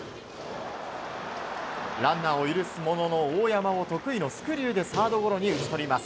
ランナーを許すものの大山を得意のスクリューでサードゴロに打ち取ります。